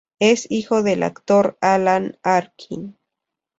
Es hijo del actor Alan Arkin.